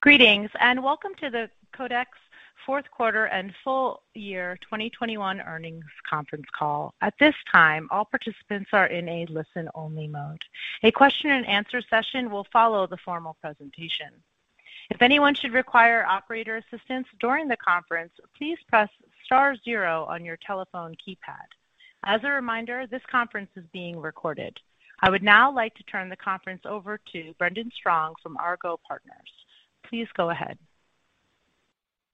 Greetings, and welcome to the Codexis Q4and full year 2021 earnings conference call. At this time, all participants are in a listen-only mode. A question and answer session will follow the formal presentation. If anyone should require operator assistance during the conference, please press star zero on your telephone keypad. As a reminder, this conference is being recorded. I would now like to turn the conference over to Brandon Strong from Argot Partners. Please go ahead.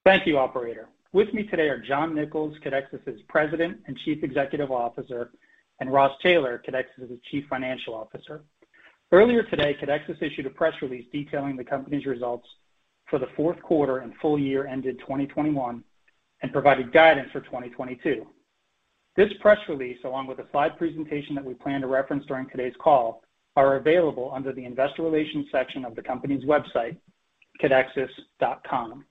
Thank you, operator. With me today are John Nicols, Codexis' President and Chief Executive Officer, and Ross Taylor, Codexis' Chief Financial Officer. Earlier today, Codexis issued a press release detailing the company's results for the Q4 and full year ended 2021 and provided guidance for 2022. This press release, along with a slide presentation that we plan to reference during today's call, are available under the Investor Relations section of the company's website, codexis.com.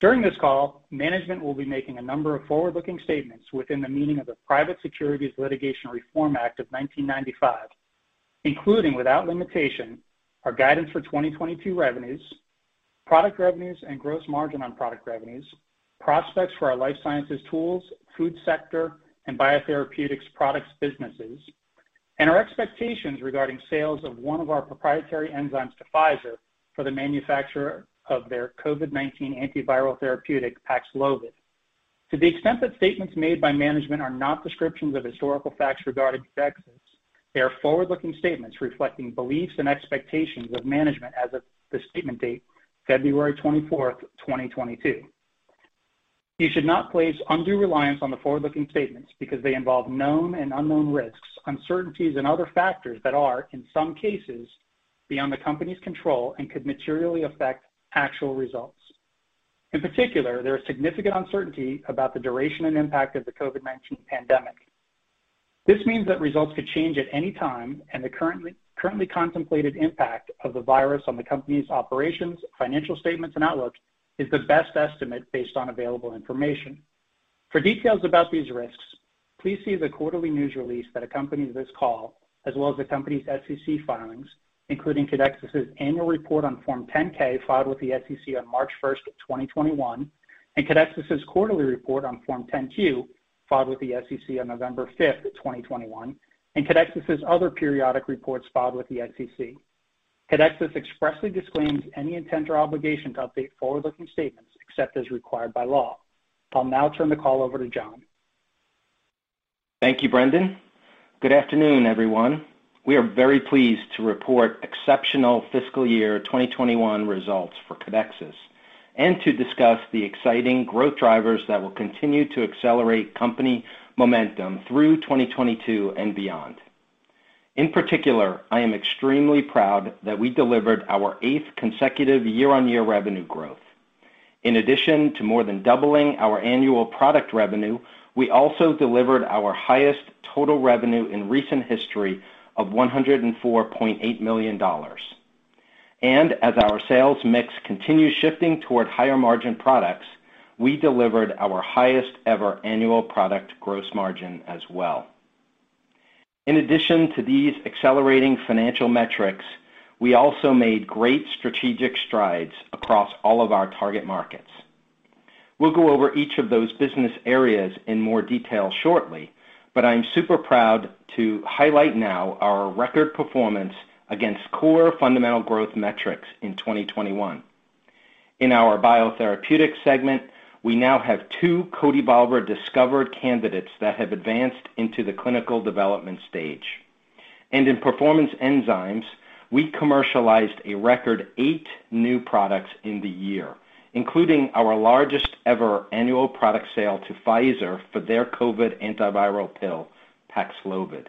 During this call, management will be making a number of forward-looking statements within the meaning of the Private Securities Litigation Reform Act of 1995, including, without limitation, our guidance for 2022 revenues, product revenues, and gross margin on product revenues, prospects for our life sciences tools, food sector, and biotherapeutics products businesses, and our expectations regarding sales of one of our proprietary enzymes to Pfizer for the manufacture of their COVID-19 antiviral therapeutic Paxlovid. To the extent that statements made by management are not descriptions of historical facts regarding Codexis, they are forward-looking statements reflecting beliefs and expectations of management as of this statement date, February 24th, 2022. You should not place undue reliance on the forward-looking statements because they involve known and unknown risks, uncertainties and other factors that are, in some cases, beyond the company's control and could materially affect actual results. In particular, there is significant uncertainty about the duration and impact of the COVID-19 pandemic. This means that results could change at any time, and the currently contemplated impact of the virus on the company's operations, financial statements, and outlook is the best estimate based on available information. For details about these risks, please see the quarterly news release that accompanies this call, as well as the company's SEC filings, including Codexis' annual report on Form 10-K filed with the SEC on March 1st, 2021, and Codexis' quarterly report on Form 10-Q, filed with the SEC on November 5th, 2021, and Codexis' other periodic reports filed with the SEC. Codexis expressly disclaims any intent or obligation to update forward-looking statements except as required by law. I'll now turn the call over to John. Thank you, Brandon. Good afternoon, everyone. We are very pleased to report exceptional fiscal year 2021 results for Codexis and to discuss the exciting growth drivers that will continue to accelerate company momentum through 2022 and beyond. In particular, I am extremely proud that we delivered our eighth consecutive year-on-year revenue growth. In addition to more than doubling our annual product revenue, we also delivered our highest total revenue in recent history of $104.8 million. As our sales mix continues shifting toward higher margin products, we delivered our highest ever annual product gross margin as well. In addition to these accelerating financial metrics, we also made great strategic strides across all of our target markets. We'll go over each of those business areas in more detail shortly, but I'm super proud to highlight now our record performance against core fundamental growth metrics in 2021. In our biotherapeutic segment, we now have two CodeEvolver® discovered candidates that have advanced into the clinical development stage. In performance enzymes, we commercialized a record eight new products in the year, including our largest ever annual product sale to Pfizer for their COVID antiviral pill, Paxlovid.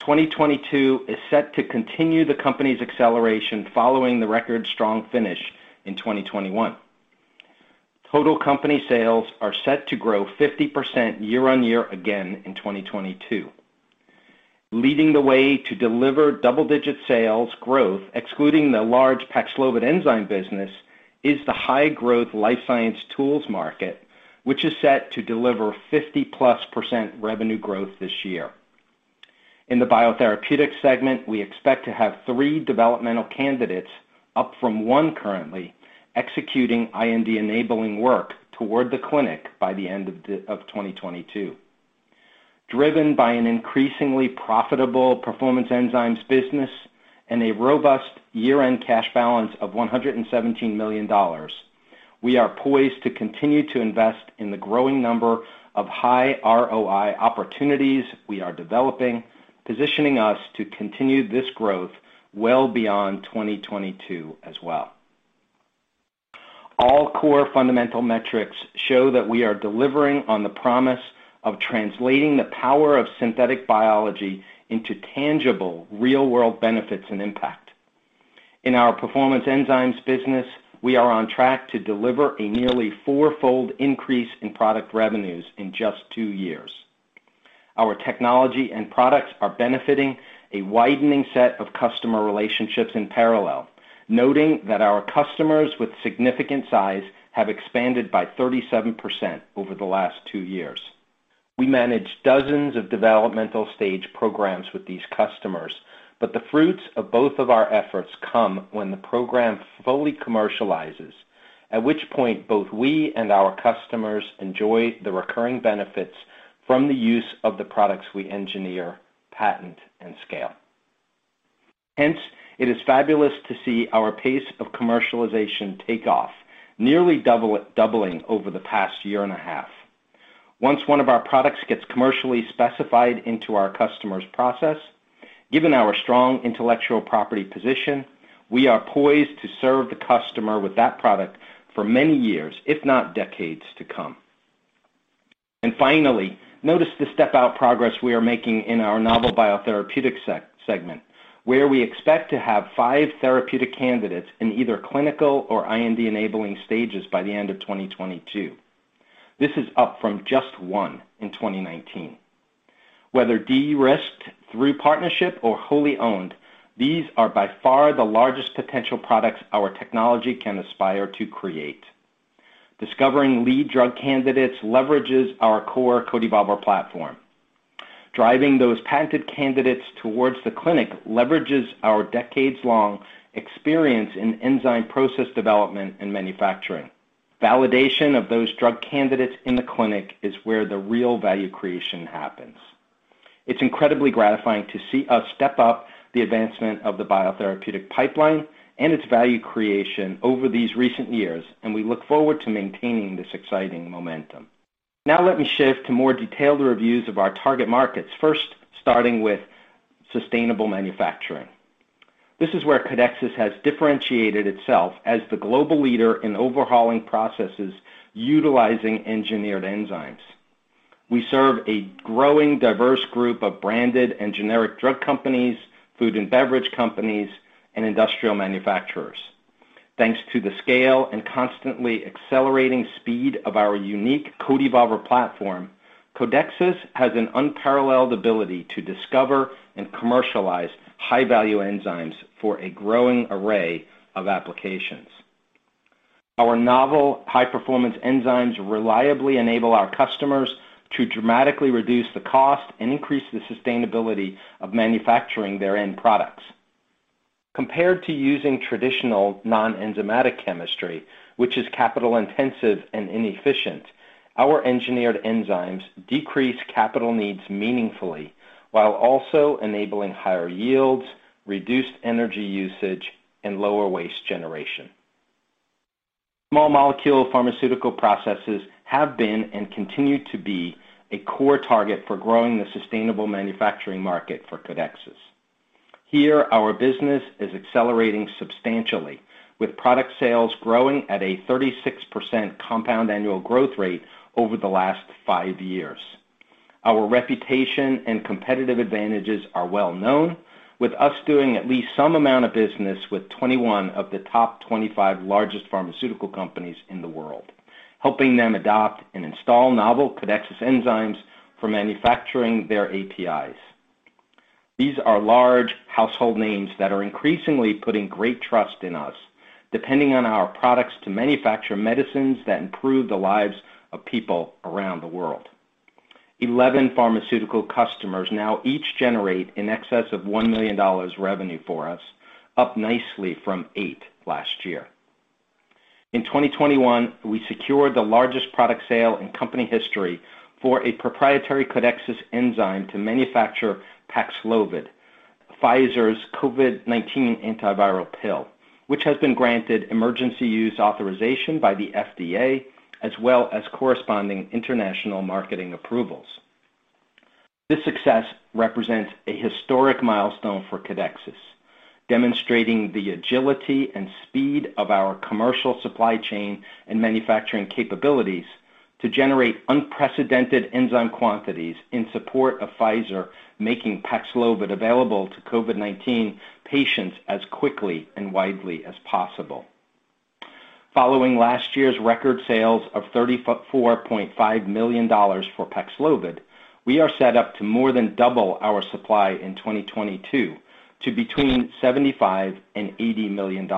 2022 is set to continue the company's acceleration following the record strong finish in 2021. Total company sales are set to grow 50% year-on-year again in 2022. Leading the way to deliver double-digit sales growth, excluding the large Paxlovid enzyme business, is the high-growth life science tools market, which is set to deliver 50%+ revenue growth this year. In the biotherapeutic segment, we expect to have three developmental candidates, up from one currently, executing IND-enabling work toward the clinic by the end of 2022. Driven by an increasingly profitable performance enzymes business and a robust year-end cash balance of $117 million, we are poised to continue to invest in the growing number of high ROI opportunities we are developing, positioning us to continue this growth well beyond 2022 as well. All core fundamental metrics show that we are delivering on the promise of translating the power of synthetic biology into tangible real-world benefits and impact. In our performance enzymes business, we are on track to deliver a nearly four-fold increase in product revenues in just two years. Our technology and products are benefiting a widening set of customer relationships in parallel, noting that our customers with significant size have expanded by 37% over the last two years. We manage dozens of developmental stage programs with these customers, but the fruits of both of our efforts come when the program fully commercializes, at which point both we and our customers enjoy the recurring benefits from the use of the products we engineer, patent, and scale. Hence, it is fabulous to see our pace of commercialization take off, nearly double-doubling over the past 1.5 years. Once one of our products gets commercially specified into our customer's process, given our strong intellectual property position, we are poised to serve the customer with that product for many years, if not decades, to come. Finally, notice the step out progress we are making in our novel biotherapeutic segment, where we expect to have five therapeutic candidates in either clinical or IND-enabling stages by the end of 2022. This is up from just one in 2019. Whether de-risked through partnership or wholly owned, these are by far the largest potential products our technology can aspire to create. Discovering lead drug candidates leverages our core CodeEvolver® platform. Driving those patented candidates towards the clinic leverages our decades-long experience in enzyme process development and manufacturing. Validation of those drug candidates in the clinic is where the real value creation happens. It's incredibly gratifying to see us step up the advancement of the biotherapeutic pipeline and its value creation over these recent years, and we look forward to maintaining this exciting momentum. Now let me shift to more detailed reviews of our target markets, first starting with sustainable manufacturing. This is where Codexis has differentiated itself as the global leader in overhauling processes utilizing engineered enzymes. We serve a growing, diverse group of branded and generic drug companies, food and beverage companies, and industrial manufacturers. Thanks to the scale and constantly accelerating speed of our unique CodeEvolver® platform, Codexis has an unparalleled ability to discover and commercialize high-value enzymes for a growing array of applications. Our novel high-performance enzymes reliably enable our customers to dramatically reduce the cost and increase the sustainability of manufacturing their end products. Compared to using traditional non-enzymatic chemistry, which is capital-intensive and inefficient, our engineered enzymes decrease capital needs meaningfully while also enabling higher yields, reduced energy usage, and lower waste generation. Small molecule pharmaceutical processes have been and continue to be a core target for growing the sustainable manufacturing market for Codexis. Here, our business is accelerating substantially, with product sales growing at a 36% compound annual growth rate over the last five years. Our reputation and competitive advantages are well known, with us doing at least some amount of business with 21 of the top 25 largest pharmaceutical companies in the world, helping them adopt and install novel Codexis enzymes for manufacturing their APIs. These are large household names that are increasingly putting great trust in us, depending on our products to manufacture medicines that improve the lives of people around the world. 11 pharmaceutical customers now each generate in excess of $1 million revenue for us, up nicely from eight last year. In 2021, we secured the largest product sale in company history for a proprietary Codexis enzyme to manufacture Paxlovid, Pfizer's COVID-19 antiviral pill, which has been granted emergency use authorization by the FDA as well as corresponding international marketing approvals. This success represents a historic milestone for Codexis, demonstrating the agility and speed of our commercial supply chain and manufacturing capabilities to generate unprecedented enzyme quantities in support of Pfizer making Paxlovid available to COVID-19 patients as quickly and widely as possible. Following last year's record sales of $34.5 million for Paxlovid, we are set up to more than double our supply in 2022 to between $75 million and $80 million.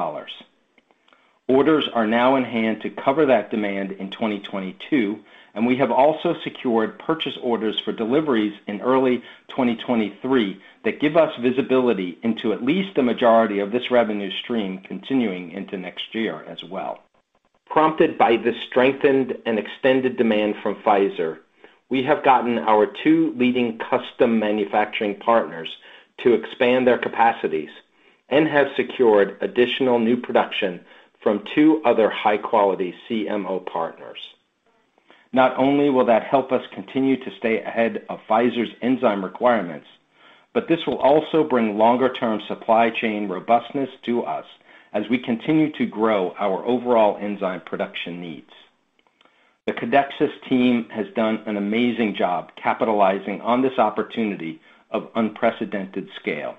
Orders are now in hand to cover that demand in 2022, and we have also secured purchase orders for deliveries in early 2023 that give us visibility into at least the majority of this revenue stream continuing into next year as well. Prompted by this strengthened and extended demand from Pfizer, we have gotten our two leading custom manufacturing partners to expand their capacities and have secured additional new production from two other high-quality CMO partners. Not only will that help us continue to stay ahead of Pfizer's enzyme requirements, but this will also bring longer-term supply chain robustness to us as we continue to grow our overall enzyme production needs. The Codexis team has done an amazing job capitalizing on this opportunity of unprecedented scale.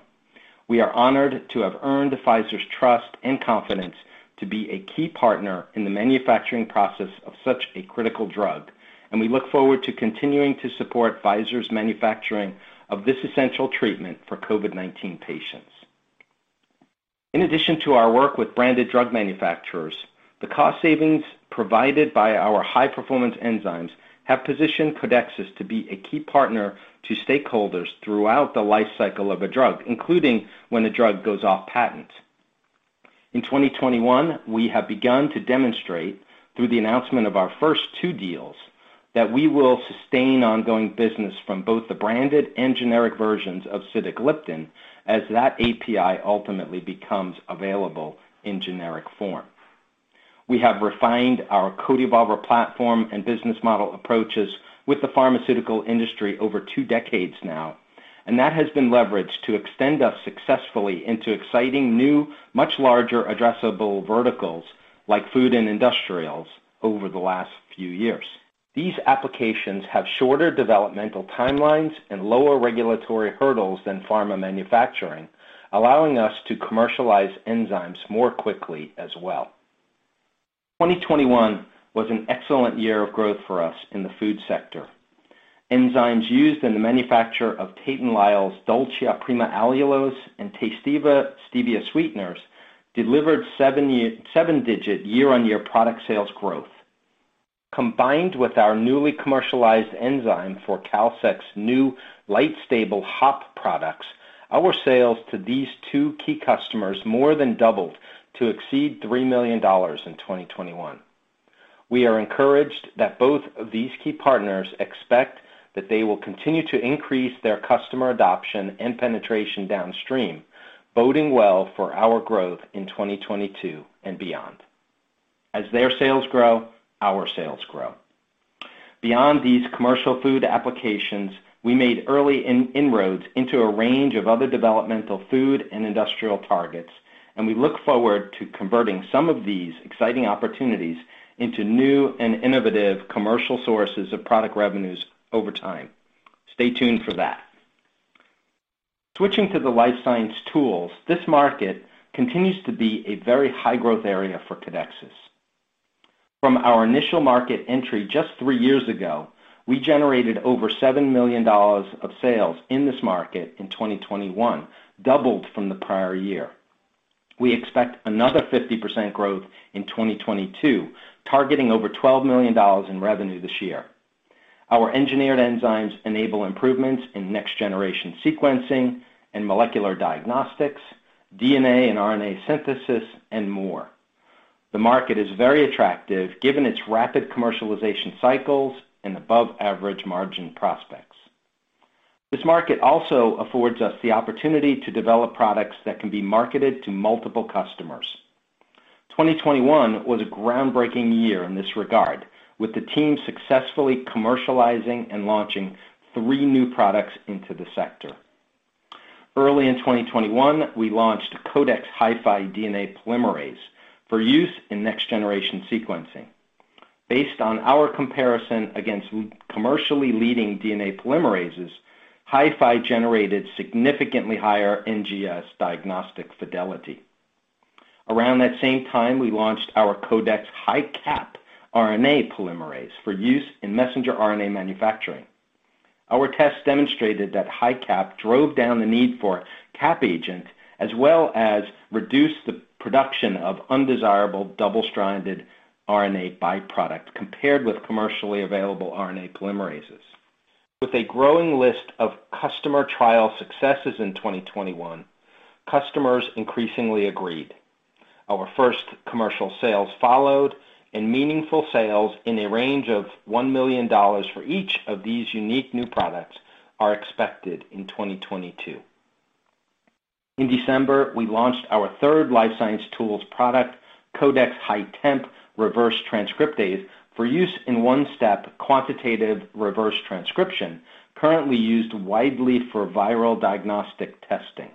We are honored to have earned Pfizer's trust and confidence to be a key partner in the manufacturing process of such a critical drug, and we look forward to continuing to support Pfizer's manufacturing of this essential treatment for COVID-19 patients. In addition to our work with branded drug manufacturers, the cost savings provided by our high performance enzymes have positioned Codexis to be a key partner to stakeholders throughout the life cycle of a drug, including when a drug goes off patent. In 2021, we have begun to demonstrate through the announcement of our first two deals that we will sustain ongoing business from both the branded and generic versions of sitagliptin as that API ultimately becomes available in generic form. We have refined our CodeEvolver® platform and business model approaches with the pharmaceutical industry over two decades now, and that has been leveraged to extend us successfully into exciting new, much larger addressable verticals like food and industrials over the last few years. These applications have shorter developmental timelines and lower regulatory hurdles than pharma manufacturing, allowing us to commercialize enzymes more quickly as well. 2021 was an excellent year of growth for us in the food sector. Enzymes used in the manufacture of Tate & Lyle's DOLCIA PRIMA® Allulose and TASTEVA® M Stevia sweeteners delivered seven-digit year-on-year product sales growth. Combined with our newly commercialized enzyme for Kalsec's new light stable hop products, our sales to these two key customers more than doubled to exceed $3 million in 2021. We are encouraged that both of these key partners expect that they will continue to increase their customer adoption and penetration downstream, boding well for our growth in 2022 and beyond. As their sales grow, our sales grow. Beyond these commercial food applications, we made early inroads into a range of other developmental food and industrial targets, and we look forward to converting some of these exciting opportunities into new and innovative commercial sources of product revenues over time. Stay tuned for that. Switching to the Life Science Tools, this market continues to be a very high growth area for Codexis. From our initial market entry just three years ago, we generated over $7 million of sales in this market in 2021, doubled from the prior year. We expect another 50% growth in 2022, targeting over $12 million in revenue this year. Our engineered enzymes enable improvements in next generation sequencing and molecular diagnostics, DNA and RNA synthesis, and more. The market is very attractive given its rapid commercialization cycles and above average margin prospects. This market also affords us the opportunity to develop products that can be marketed to multiple customers. 2021 was a groundbreaking year in this regard, with the team successfully commercializing and launching three new products into the sector. Early in 2021, we launched Codex® HiFi DNA Polymerase for use in next generation sequencing. Based on our comparison against commercially leading DNA polymerases, HiFi generated significantly higher NGS diagnostic fidelity. Around that same time, we launched our Codex HiCap RNA Polymerase for use in messenger RNA manufacturing. Our tests demonstrated that HiCap drove down the need for cap agent as well as reduced the production of undesirable double-stranded RNA byproduct compared with commercially available RNA polymerases. With a growing list of customer trial successes in 2021, customers increasingly agreed. Our first commercial sales followed, and meaningful sales in a range of $1 million for each of these unique new products are expected in 2022. In December, we launched our third life science tools product, Codex® HiTemp Reverse Transcriptase, for use in one-step quantitative reverse transcription, currently used widely for viral diagnostic testing.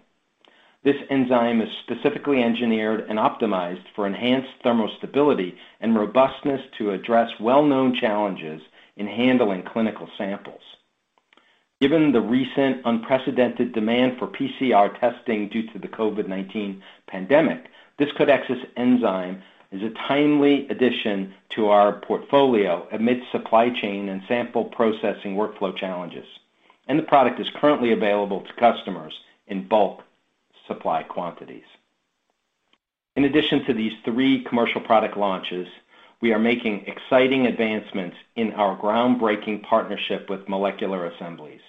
This enzyme is specifically engineered and optimized for enhanced thermal stability and robustness to address well-known challenges in handling clinical samples. Given the recent unprecedented demand for PCR testing due to the COVID-19 pandemic, this Codexis enzyme is a timely addition to our portfolio amid supply chain and sample processing workflow challenges, and the product is currently available to customers in bulk supply quantities. In addition to these three commercial product launches, we are making exciting advancements in our groundbreaking partnership with Molecular Assemblies.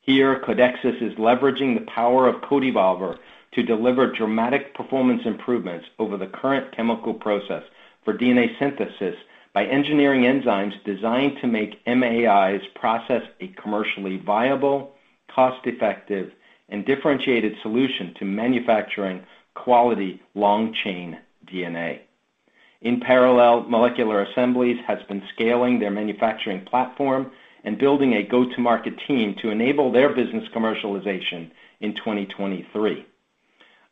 Here, Codexis is leveraging the power of CodeEvolver® to deliver dramatic performance improvements over the current chemical process for DNA synthesis by engineering enzymes designed to make MAI's process a commercially viable, cost-effective, and differentiated solution to manufacturing quality long-chain DNA. In parallel, Molecular Assemblies has been scaling their manufacturing platform and building a go-to-market team to enable their business commercialization in 2023.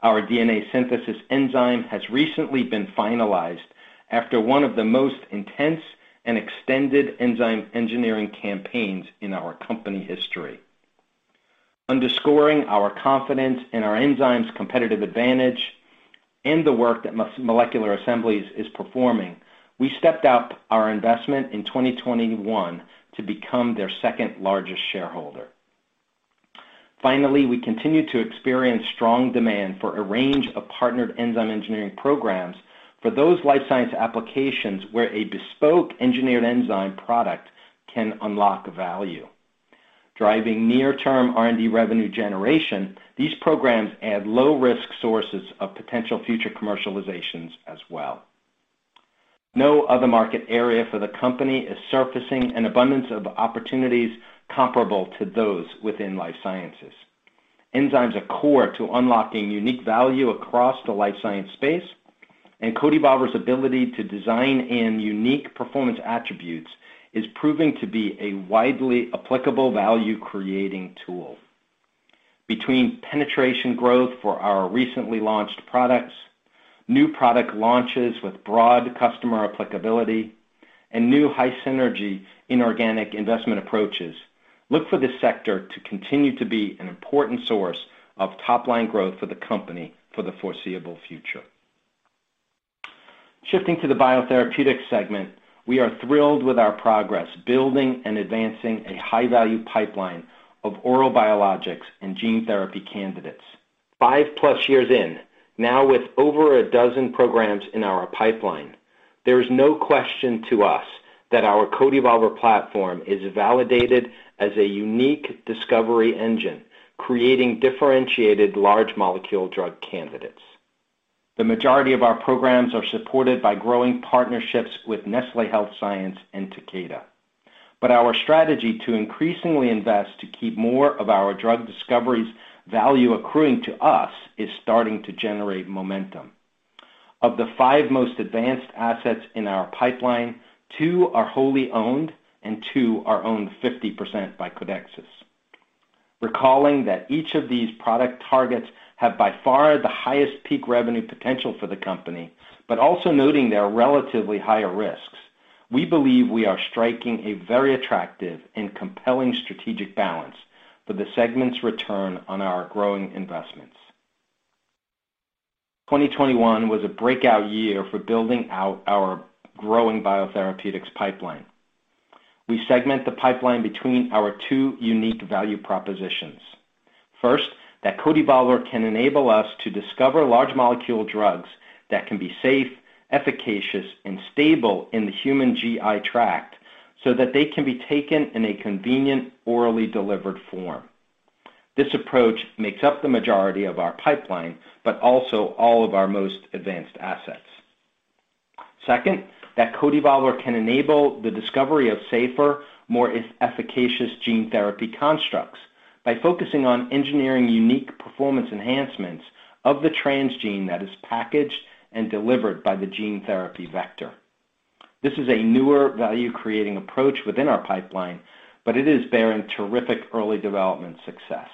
Our DNA synthesis enzyme has recently been finalized after one of the most intense and extended enzyme engineering campaigns in our company history. Underscoring our confidence in our enzyme's competitive advantage. In the work that Molecular Assemblies is performing, we stepped up our investment in 2021 to become their second largest shareholder. Finally, we continue to experience strong demand for a range of partnered enzyme engineering programs for those life science applications where a bespoke engineered enzyme product can unlock value. Driving near-term R&D revenue generation, these programs add low risk sources of potential future commercializations as well. No other market area for the company is surfacing an abundance of opportunities comparable to those within life sciences. Enzymes are core to unlocking unique value across the life science space, and CodeEvolver®'s ability to design in unique performance attributes is proving to be a widely applicable value creating tool. Between penetration growth for our recently launched products, new product launches with broad customer applicability and new high synergy inorganic investment approaches, we look for this sector to continue to be an important source of top-line growth for the company for the foreseeable future. Shifting to the biotherapeutic segment, we are thrilled with our progress building and advancing a high-value pipeline of oral biologics and gene therapy candidates. Five plus years in now with over a dozen programs in our pipeline, there is no question to us that our CodeEvolver® platform is validated as a unique discovery engine, creating differentiated large molecule drug candidates. The majority of our programs are supported by growing partnerships with Nestlé Health Science and Takeda. Our strategy to increasingly invest to keep more of our drug discoveries value accruing to us is starting to generate momentum. Of the five most advanced assets in our pipeline, two are wholly owned and two are owned 50% by Codexis. Recalling that each of these product targets have by far the highest peak revenue potential for the company, but also noting their relatively higher risks, we believe we are striking a very attractive and compelling strategic balance for the segment's return on our growing investments. 2021 was a breakout year for building out our growing biotherapeutics pipeline. We segment the pipeline between our two unique value propositions. First, that CodeEvolver® can enable us to discover large molecule drugs that can be safe, efficacious, and stable in the human GI tract so that they can be taken in a convenient, orally delivered form. This approach makes up the majority of our pipeline, but also all of our most advanced assets. Second, that CodeEvolver® can enable the discovery of safer, more efficacious gene therapy constructs by focusing on engineering unique performance enhancements of the transgene that is packaged and delivered by the gene therapy vector. This is a newer value creating approach within our pipeline, but it is bearing terrific early development success.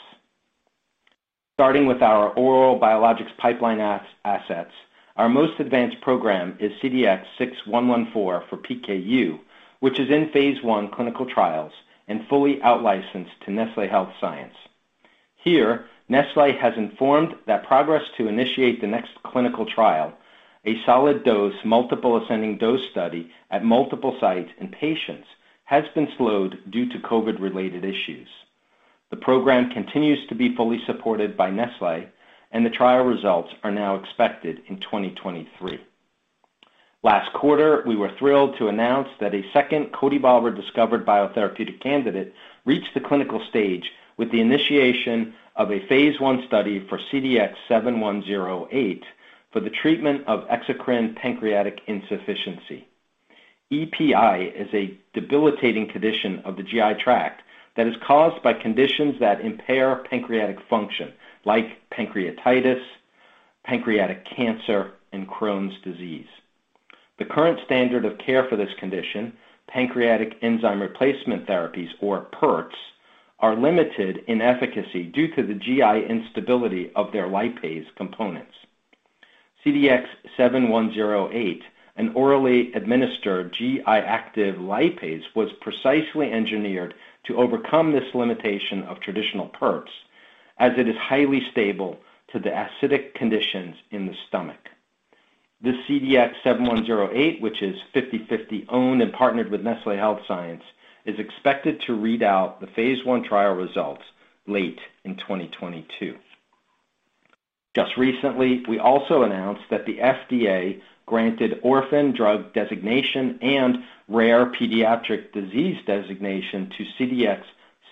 Starting with our oral biologics pipeline as-assets, our most advanced program is CDX-6114 for PKU, which is in phase I clinical trials and fully outlicensed to Nestlé Health Science. Here, Nestlé has informed that progress to initiate the next clinical trial, a solid dose, multiple ascending dose study at multiple sites and patients has been slowed due to COVID related issues. The program continues to be fully supported by Nestlé and the trial results are now expected in 2023. Last quarter, we were thrilled to announce that a second CodeEvolver® discovered biotherapeutic candidate reached the clinical stage with the initiation of a phase I study for CDX-7108 for the treatment of exocrine pancreatic insufficiency. EPI is a debilitating condition of the GI tract that is caused by conditions that impair pancreatic function like pancreatitis, pancreatic cancer, and Crohn's disease. The current standard of care for this condition, pancreatic enzyme replacement therapies, or PERTs, are limited in efficacy due to the GI instability of their lipase components. CDX-7108, an orally administered GI active lipase, was precisely engineered to overcome this limitation of traditional PERTs as it is highly stable to the acidic conditions in the stomach. The CDX-7108, which is 50/50 owned and partnered with Nestlé Health Science, is expected to read out the phase I trial results late in 2022. Just recently, we also announced that the FDA granted orphan drug designation and rare pediatric disease designation to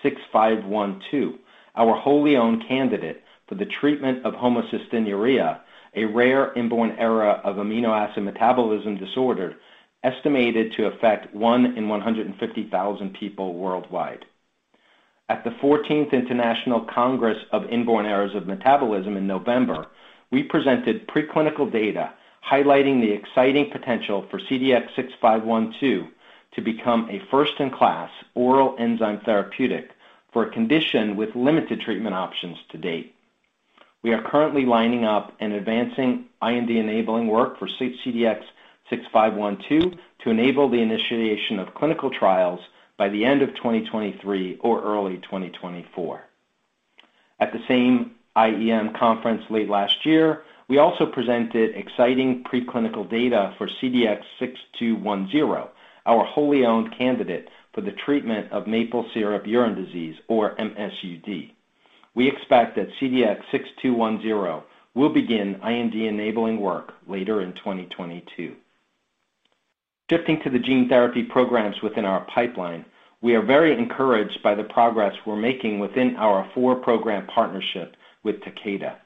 CDX-6512, our wholly owned candidate for the treatment of homocystinuria, a rare inborn error of amino acid metabolism disorder estimated to affect one in 150,000 people worldwide. At the 14th International Congress of Inborn Errors of Metabolism in November, we presented preclinical data highlighting the exciting potential for CDX-6512 to become a first-in-class oral enzyme therapeutic for a condition with limited treatment options to date. We are currently lining up and advancing IND-enabling work for CDX-6512 to enable the initiation of clinical trials by the end of 2023 or early 2024. At the same IEM conference late last year, we also presented exciting preclinical data for CDX-6210, our wholly owned candidate for the treatment of maple syrup urine disease or MSUD. We expect that CDX-6210 will begin IND-enabling work later in 2022. Shifting to the gene therapy programs within our pipeline, we are very encouraged by the progress we're making within our four-program partnership with Takeda.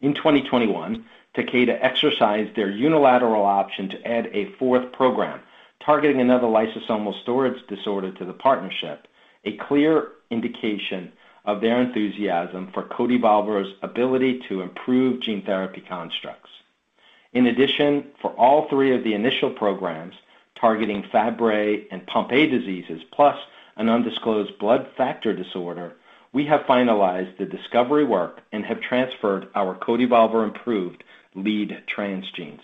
In 2021, Takeda exercised their unilateral option to add a fourth program targeting another lysosomal storage disorder to the partnership, a clear indication of their enthusiasm for CodeEvolver®'s ability to improve gene therapy constructs. In addition, for all three of the initial programs targeting Fabry and Pompe diseases, plus an undisclosed blood factor disorder, we have finalized the discovery work and have transferred our CodeEvolver®-improved lead transgenes.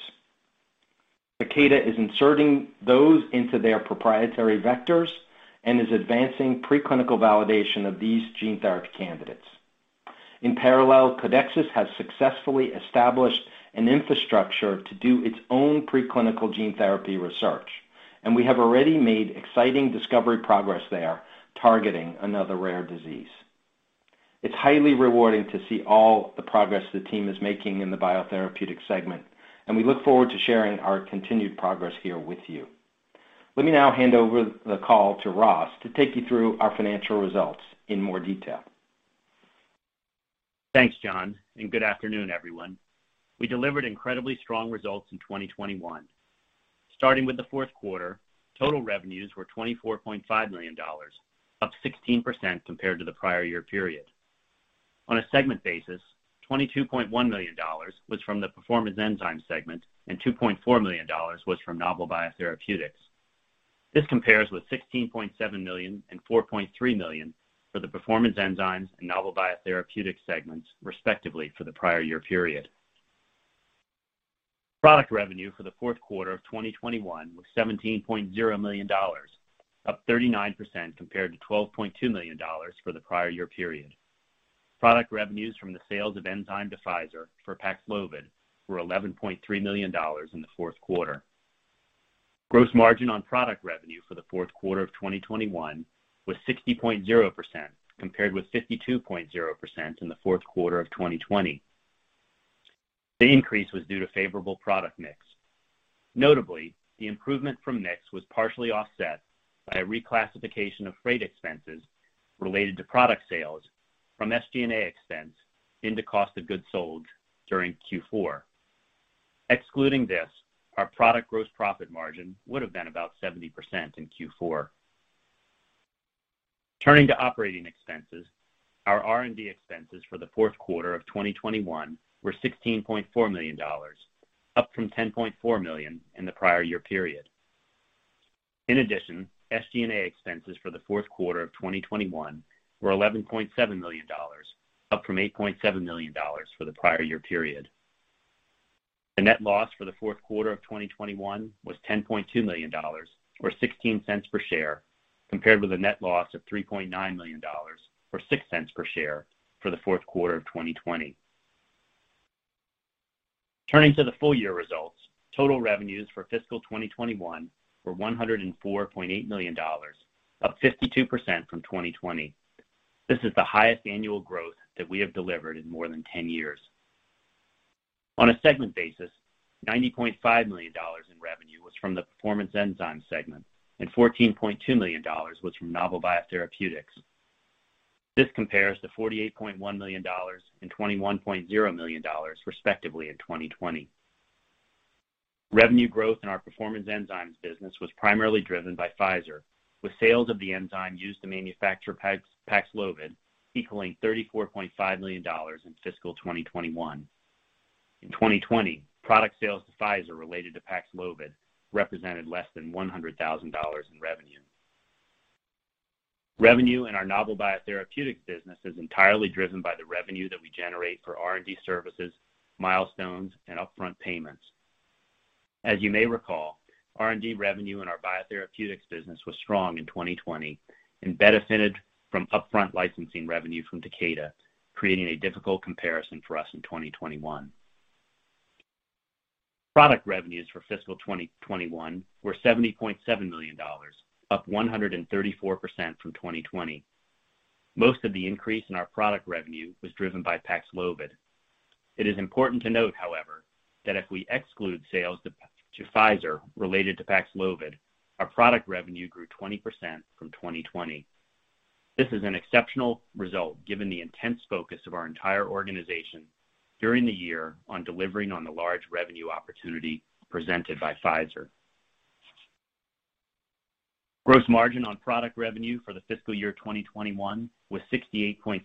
Takeda is inserting those into their proprietary vectors and is advancing preclinical validation of these gene therapy candidates. In parallel, Codexis has successfully established an infrastructure to do its own preclinical gene therapy research, and we have already made exciting discovery progress there targeting another rare disease. It's highly rewarding to see all the progress the team is making in the biotherapeutic segment, and we look forward to sharing our continued progress here with you. Let me now hand over the call to Ross to take you through our financial results in more detail. Thanks, John, and good afternoon, everyone. We delivered incredibly strong results in 2021. Starting with the Q4, total revenues were $24.5 million, up 16% compared to the prior year period. On a segment basis, $22.1 million was from the Performance Enzymes segment and $2.4 million was from Novel Biotherapeutics. This compares with $16.7 million and $4.3 million for the Performance Enzymes and Novel Biotherapeutics segments, respectively, for the prior year period. Product revenue for the Q4 of 2021 was $17.0 million, up 39% compared to $12.2 million for the prior year period. Product revenues from the sales of enzyme to Pfizer for Paxlovid were $11.3 million in the Q4. Gross margin on product revenue for the Q4 of 2021 was 60.0%, compared with 52.0% in the Q4of 2020. The increase was due to favorable product mix. Notably, the improvement from mix was partially offset by a reclassification of freight expenses related to product sales from SG&A expense into cost of goods sold during Q4. Excluding this, our product gross profit margin would have been about 70% in Q4. Turning to operating expenses, our R&D expenses for the Q4 of 2021 were $16.4 million, up from $10.4 million in the prior year period. In addition, SG&A expenses for the Q4 of 2021 were $11.7 million, up from $8.7 million for the prior year period. The net loss for the Q4 of 2021 was $10.2 million or $0.16 per share, compared with a net loss of $3.9 million or $0.06 per share for the Q4 of 2020. Turning to the full-year results, total revenues for fiscal 2021 were $104.8 million, up 52% from 2020. This is the highest annual growth that we have delivered in more than 10 years. On a segment basis, $90.5 million in revenue was from the Performance Enzymes segment and $14.2 million was from Novel Biotherapeutics. This compares to $48.1 million and $21.0 million, respectively, in 2020. Revenue growth in our Performance Enzymes business was primarily driven by Pfizer, with sales of the enzyme used to manufacture Paxlovid equaling $34.5 million in fiscal 2021. In 2020, product sales to Pfizer related to Paxlovid represented less than $100,000 in revenue. Revenue in our Novel Biotherapeutics business is entirely driven by the revenue that we generate for R&D services, milestones, and upfront payments. As you may recall, R&D revenue in our biotherapeutics business was strong in 2020 and benefited from upfront licensing revenue from Takeda, creating a difficult comparison for us in 2021. Product revenues for fiscal 2021 were $70.7 million, up 134% from 2020. Most of the increase in our product revenue was driven by Paxlovid. It is important to note, however, that if we exclude sales to Pfizer related to Paxlovid, our product revenue grew 20% from 2020. This is an exceptional result given the intense focus of our entire organization during the year on delivering on the large revenue opportunity presented by Pfizer. Gross margin on product revenue for the fiscal year 2021 was 68.6%,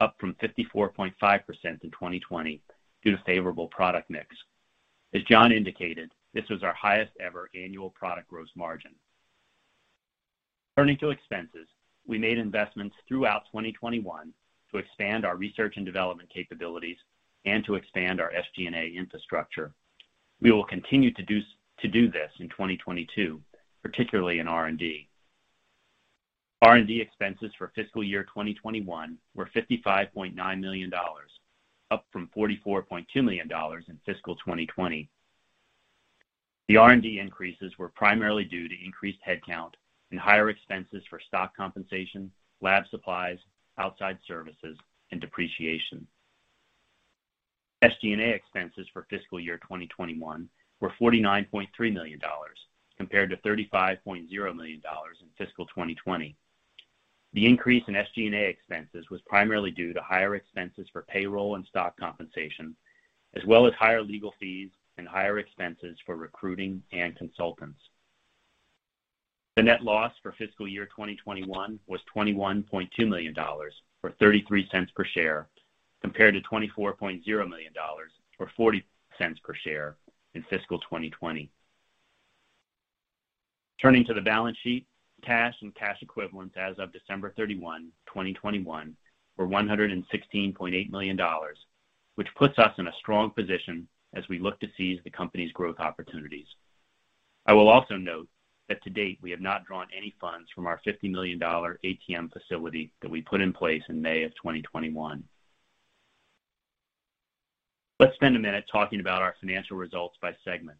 up from 54.5% in 2020 due to favorable product mix. As John indicated, this was our highest ever annual product gross margin. Turning to expenses, we made investments throughout 2021 to expand our research and development capabilities and to expand our SG&A infrastructure. We will continue to do this in 2022, particularly in R&D. R&D expenses for fiscal year 2021 were $55.9 million, up from $44.2 million in fiscal year 2020. The R&D increases were primarily due to increased headcount and higher expenses for stock compensation, lab supplies, outside services, and depreciation. SG&A expenses for fiscal year 2021 were $49.3 million compared to $35.0 million in fiscal year 2020. The increase in SG&A expenses was primarily due to higher expenses for payroll and stock compensation, as well as higher legal fees and higher expenses for recruiting and consultants. The net loss for fiscal year 2021 was $21.2 million, or $0.33 per share, compared to $24.0 million or $0.40 per share in fiscal year 2020. Turning to the balance sheet, cash and cash equivalents as of December 31st, 2021 were $116.8 million, which puts us in a strong position as we look to seize the company's growth opportunities. I will also note that to date, we have not drawn any funds from our $50 million ATM facility that we put in place in May 2021. Let's spend a minute talking about our financial results by segment.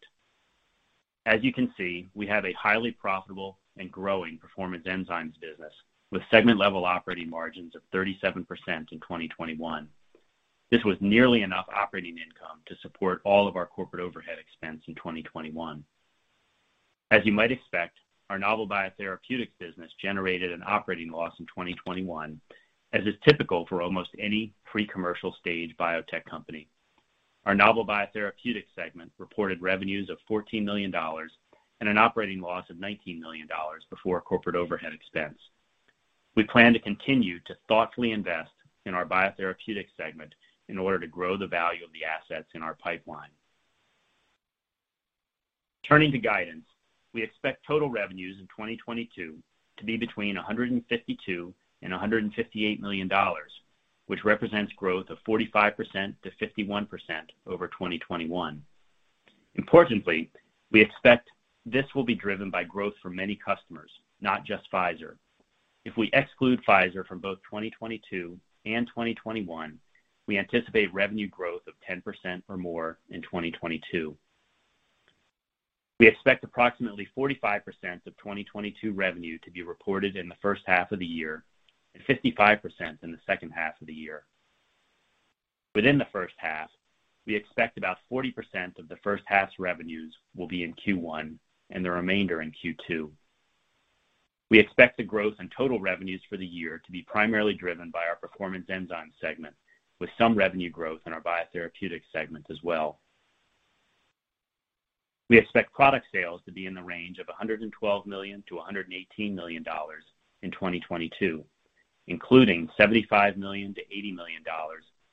As you can see, we have a highly profitable and growing performance enzymes business, with segment-level operating margins of 37% in 2021. This was nearly enough operating income to support all of our corporate overhead expense in 2021. As you might expect, our novel biotherapeutics business generated an operating loss in 2021, as is typical for almost any pre-commercial stage biotech company. Our novel biotherapeutic segment reported revenues of $14 million and an operating loss of $19 million before corporate overhead expense. We plan to continue to thoughtfully invest in our biotherapeutic segment in order to grow the value of the assets in our pipeline. Turning to guidance, we expect total revenues in 2022 to be between $152 million and $158 million, which represents growth of 45%-51% over 2021. Importantly, we expect this will be driven by growth for many customers, not just Pfizer. If we exclude Pfizer from both 2022 and 2021, we anticipate revenue growth of 10% or more in 2022. We expect approximately 45% of 2022 revenue to be reported in the H1 of the year and 55% in the H2 of the year. Within the H1, we expect about 40% of the H1's revenues will be in Q1 and the remainder in Q2. We expect the growth in total revenues for the year to be primarily driven by our performance enzyme segment, with some revenue growth in our biotherapeutic segment as well. We expect product sales to be in the range of $112 million-$118 million in 2022, including $75 million-$80 million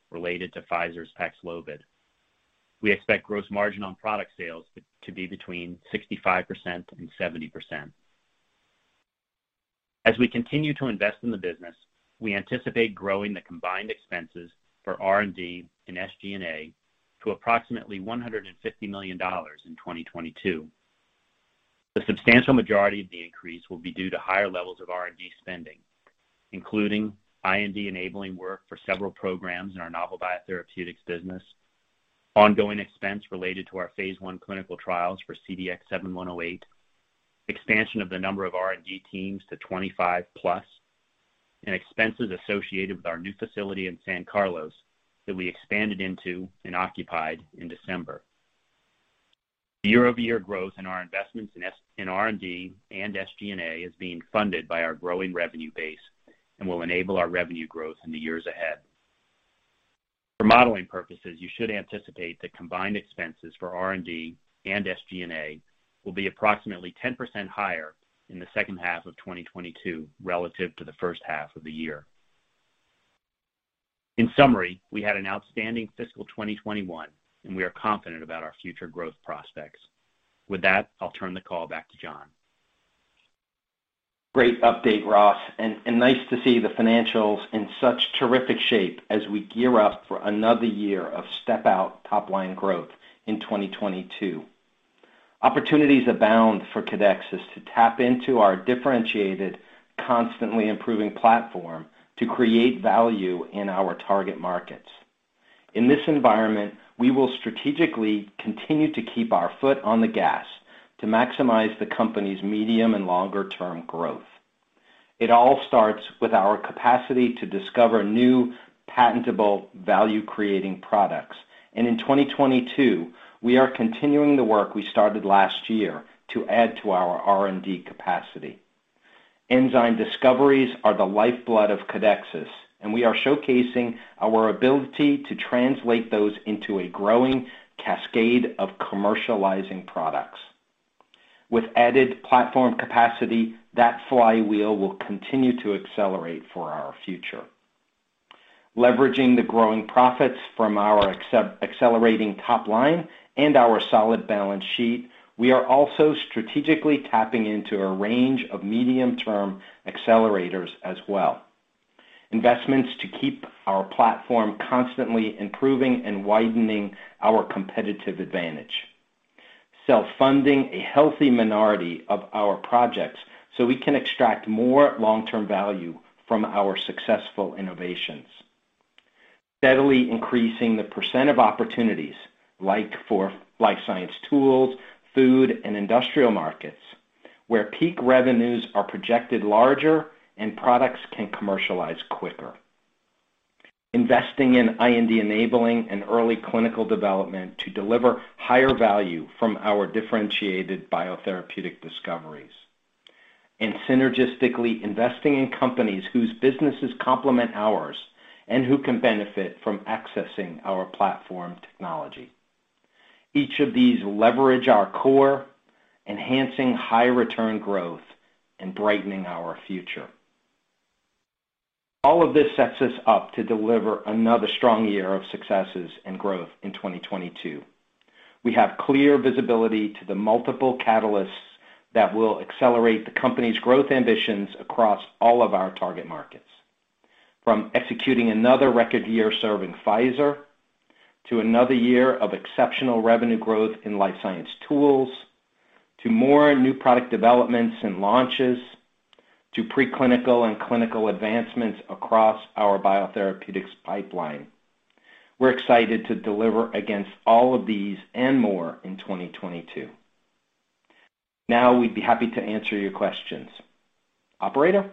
related to Pfizer's Paxlovid. We expect gross margin on product sales to be between 65%-70%. As we continue to invest in the business, we anticipate growing the combined expenses for R&D and SG&A to approximately $150 million in 2022. The substantial majority of the increase will be due to higher levels of R&D spending, including IND-enabling work for several programs in our novel biotherapeutics business, ongoing expense related to our phase I clinical trials for CDX-7108, expansion of the number of R&D teams to 25+, and expenses associated with our new facility in San Carlos that we expanded into and occupied in December. The year-over-year growth in our investments in R&D and SG&A is being funded by our growing revenue base and will enable our revenue growth in the years ahead. For modeling purposes, you should anticipate that combined expenses for R&D and SG&A will be approximately 10% higher in the H2 of 2022 relative to the H1 of the year. In summary, we had an outstanding fiscal 2021, and we are confident about our future growth prospects. With that, I'll turn the call back to John. Great update, Ross, and nice to see the financials in such terrific shape as we gear up for another year of step-out top-line growth in 2022. Opportunities abound for Codexis to tap into our differentiated, constantly improving platform to create value in our target markets. In this environment, we will strategically continue to keep our foot on the gas to maximize the company's medium and longer-term growth. It all starts with our capacity to discover new patentable value-creating products. In 2022, we are continuing the work we started last year to add to our R&D capacity. Enzyme discoveries are the lifeblood of Codexis, and we are showcasing our ability to translate those into a growing cascade of commercializing products. With added platform capacity, that flywheel will continue to accelerate for our future. Leveraging the growing profits from our accelerating top line and our solid balance sheet, we are also strategically tapping into a range of medium-term accelerators as well. Investments to keep our platform constantly improving and widening our competitive advantage. Self-funding a healthy minority of our projects so we can extract more long-term value from our successful innovations. Steadily increasing the percent of opportunities like for life science tools, food and industrial markets, where peak revenues are projected larger and products can commercialize quicker. Investing in IND enabling and early clinical development to deliver higher value from our differentiated biotherapeutic discoveries. Synergistically investing in companies whose businesses complement ours and who can benefit from accessing our platform technology. Each of these leverage our core, enhancing high return growth and brightening our future. All of this sets us up to deliver another strong year of successes and growth in 2022. We have clear visibility to the multiple catalysts that will accelerate the company's growth ambitions across all of our target markets, from executing another record year serving Pfizer to another year of exceptional revenue growth in life science tools, to more new product developments and launches, to preclinical and clinical advancements across our biotherapeutics pipeline. We're excited to deliver against all of these and more in 2022. Now we'd be happy to answer your questions. Operator?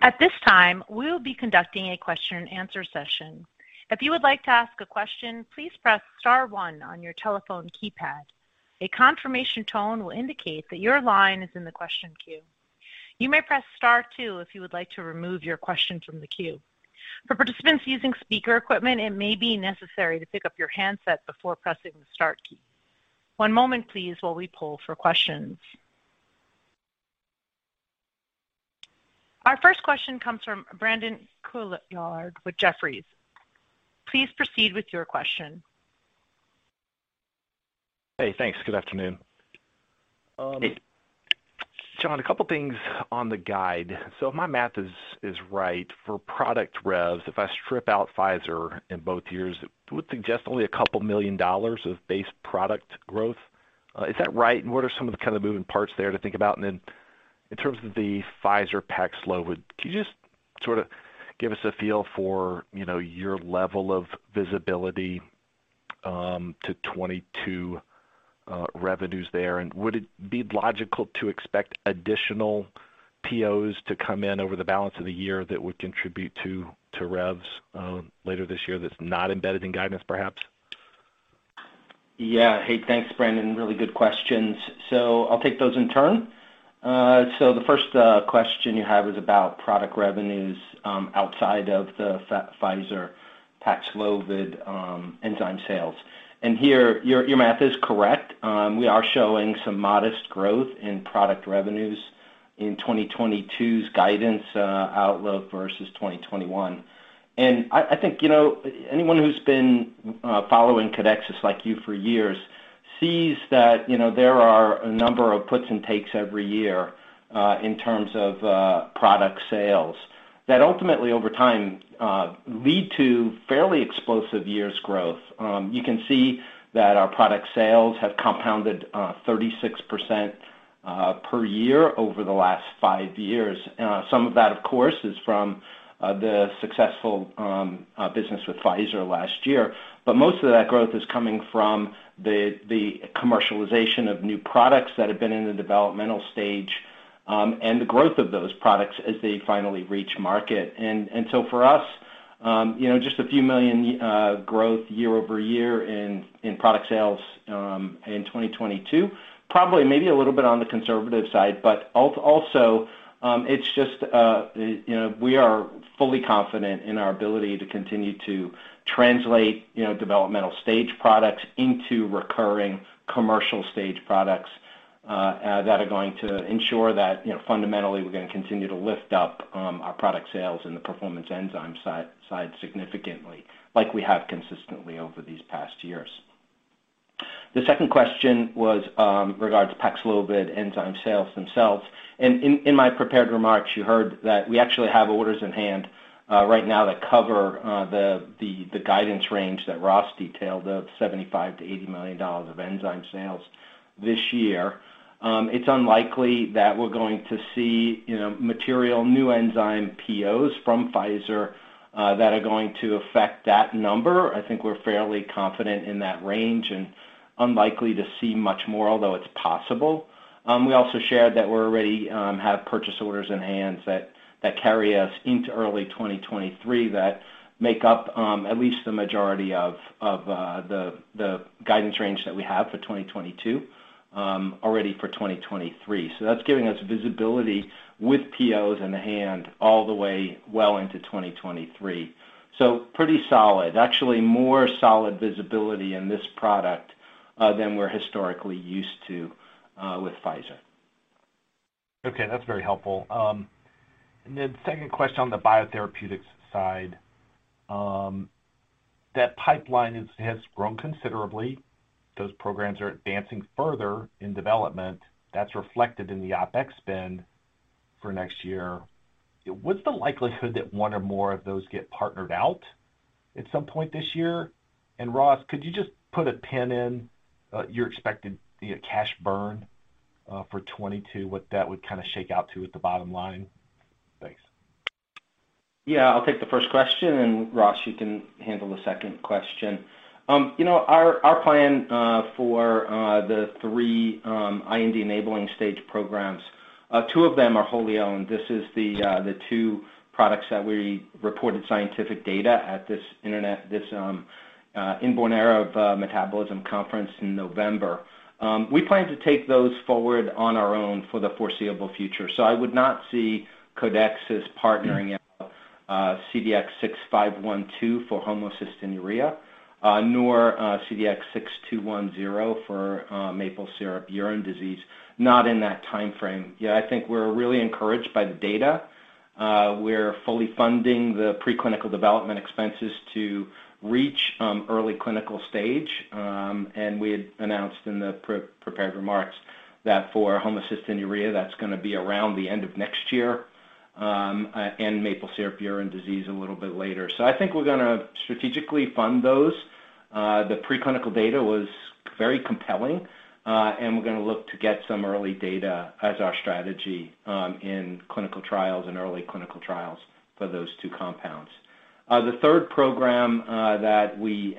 At this time, we will be conducting a question and answer session. If you would like to ask a question, please press star one on your telephone keypad. A confirmation tone will indicate that your line is in the question queue. You may press star two if you would like to remove your question from the queue. For participants using speaker equipment, it may be necessary to pick up your handset before pressing the star key. One moment please while we poll for questions. Our first question comes from Brandon Couillard with Jefferies. Please proceed with your question. Hey, thanks. Good afternoon. Hey. John, a couple things on the guide. If my math is right for product revs, if I strip out Pfizer in both years, it would suggest only a couple million dollars of base product growth. Is that right? What are some of the kind of moving parts there to think about? In terms of the Pfizer Paxlovid, could you just sort of give us a feel for, you know, your level of visibility to 2022 revenues there? Would it be logical to expect additional POs to come in over the balance of the year that would contribute to revs later this year that's not embedded in guidance, perhaps? Yeah. Hey, thanks, Brandon. Really good questions. I'll take those in turn. The first question you have is about product revenues outside of the Pfizer Paxlovid enzyme sales. Here, your math is correct. We are showing some modest growth in product revenues in 2022's guidance outlook versus 2021. I think, you know, anyone who's been following Codexis like you for years sees that, you know, there are a number of puts and takes every year in terms of product sales that ultimately over time lead to fairly explosive years growth. You can see that our product sales have compounded 36% per year over the last five years. Some of that, of course, is from the successful business with Pfizer last year. Most of that growth is coming from the commercialization of new products that have been in the developmental stage, and the growth of those products as they finally reach market. For us, you know, just a few million growth year-over-year in product sales in 2022, probably maybe a little bit on the conservative side. Also, it's just, you know, we are fully confident in our ability to continue to translate, you know, developmental stage products into recurring commercial stage products, that are going to ensure that, you know, fundamentally, we're going to continue to lift up, our product sales in the performance enzyme side significantly like we have consistently over these past years. The second question was regarding Paxlovid enzyme sales themselves. In my prepared remarks, you heard that we actually have orders in hand right now that cover the guidance range that Ross detailed of $75 million-$80 million of enzyme sales this year. It's unlikely that we're going to see, you know, material new enzyme POs from Pfizer that are going to affect that number. I think we're fairly confident in that range and unlikely to see much more, although it's possible. We also shared that we already have purchase orders in hand that carry us into early 2023, that make up at least the majority of the guidance range that we have for 2022 already for 2023. That's giving us visibility with POs in hand all the way well into 2023. Pretty solid. Actually more solid visibility in this product than we're historically used to with Pfizer. Okay, that's very helpful. Then second question on the biotherapeutics side. That pipeline has grown considerably. Those programs are advancing further in development. That's reflected in the OpEx spend for next year. What's the likelihood that one or more of those get partnered out at some point this year? Ross, could you just put a pin in your expected, you know, cash burn for 2022, what that would kind of shake out to at the bottom line? Thanks. Yeah, I'll take the first question, and Ross, you can handle the second question. You know, our plan for the three IND-enabling stage programs, two of them are wholly owned. This is the two products that we reported scientific data at this inborn error of metabolism conference in November. We plan to take those forward on our own for the foreseeable future. I would not see Codexis partnering CDX-6512 for homocystinuria, nor CDX-6210 for maple syrup urine disease, not in that timeframe. Yeah, I think we're really encouraged by the data. We're fully funding the preclinical development expenses to reach early clinical stage. We had announced in the pre-prepared remarks that for homocystinuria, that's gonna be around the end of next year, and maple syrup urine disease a little bit later. I think we're gonna strategically fund those. The preclinical data was very compelling, and we're gonna look to get some early data as our strategy, in clinical trials and early clinical trials for those two compounds. The third program that we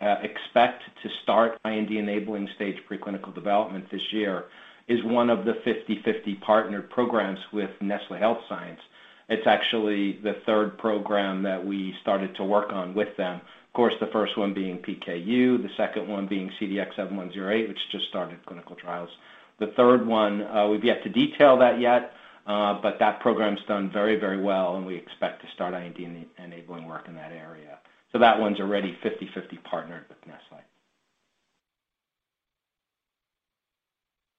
expect to start IND-enabling stage preclinical development this year is one of the 50/50 partnered programs with Nestlé Health Science. It's actually the third program that we started to work on with them. Of course, the first one being PKU, the second one being CDX-7108, which just started clinical trials. The third one, we've yet to detail that yet, but that program's done very, very well, and we expect to start IND-enabling work in that area. That one's already 50/50 partnered with Nestlé.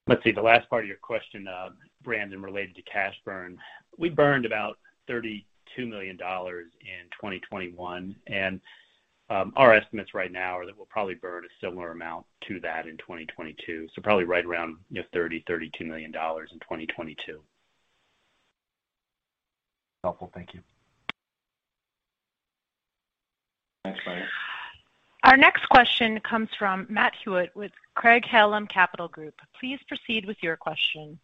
Let's see, the last part of your question, Brandon, related to cash burn. We burned about $32 million in 2021, and our estimates right now are that we'll probably burn a similar amount to that in 2022. Probably right around $30-$32 million in 2022. Helpful. Thank you. Thanks, Brandon. Our next question comes from Matt Hewitt with Craig-Hallum Capital Group. Please proceed with your question.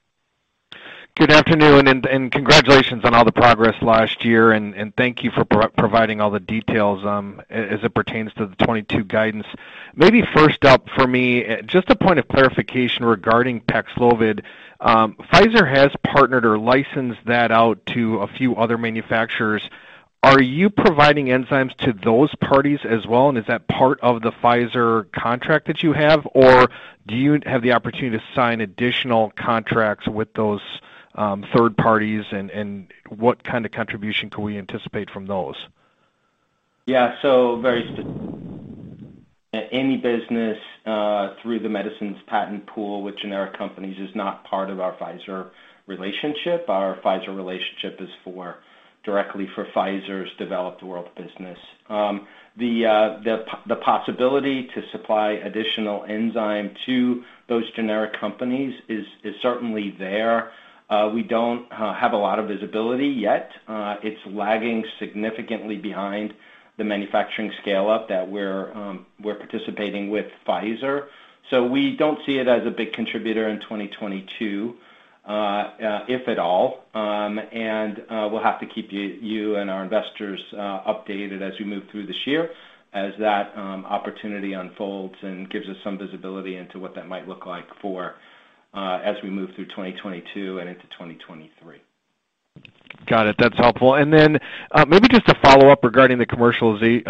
Good afternoon, congratulations on all the progress last year, thank you for providing all the details as it pertains to the 2022 guidance. Maybe first up for me, just a point of clarification regarding Paxlovid. Pfizer has partnered or licensed that out to a few other manufacturers. Are you providing enzymes to those parties as well, and is that part of the Pfizer contract that you have? Or do you have the opportunity to sign additional contracts with those third parties, and what kind of contribution can we anticipate from those? Yeah. Very simply, any business through the Medicines Patent Pool with generic companies is not part of our Pfizer relationship. Our Pfizer relationship is for directly for Pfizer's developed world business. The possibility to supply additional enzyme to those generic companies is certainly there. We don't have a lot of visibility yet. It's lagging significantly behind the manufacturing scale-up that we're participating with Pfizer. We don't see it as a big contributor in 2022, if at all. We'll have to keep you and our investors updated as we move through this year as that opportunity unfolds and gives us some visibility into what that might look like for as we move through 2022 and into 2023. Got it. That's helpful. Then, maybe just a follow-up regarding the commercialization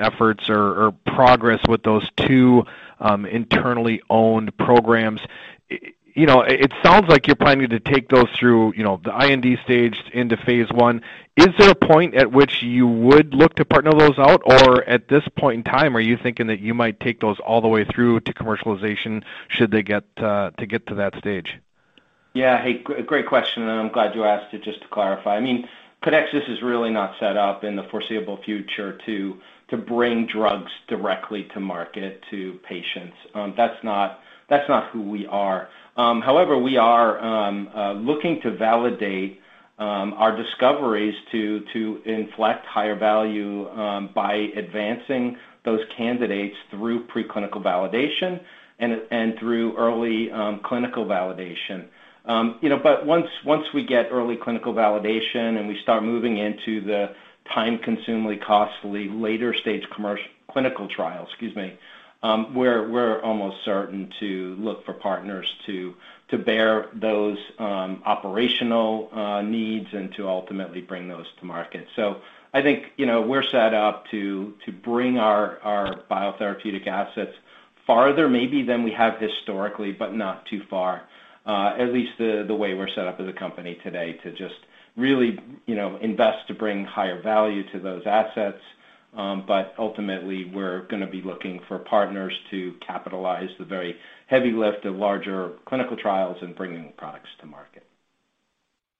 efforts or progress with those two internally owned programs. You know, it sounds like you're planning to take those through, you know, the IND stage into phase I. Is there a point at which you would look to partner those out, or at this point in time, are you thinking that you might take those all the way through to commercialization should they get to that stage? Hey, great question, and I'm glad you asked it just to clarify. I mean, Codexis is really not set up in the foreseeable future to bring drugs directly to market to patients. That's not who we are. However, we are looking to validate our discoveries to inflect higher value by advancing those candidates through preclinical validation and through early clinical validation. You know, but once we get early clinical validation and we start moving into the time-consuming, costly later stage clinical trial, excuse me, we're almost certain to look for partners to bear those operational needs and to ultimately bring those to market. I think, you know, we're set up to bring our biotherapeutic assets farther maybe than we have historically, but not too far, at least the way we're set up as a company today to just really, you know, invest to bring higher value to those assets. Ultimately, we're gonna be looking for partners to capitalize the very heavy lift of larger clinical trials and bringing products to market.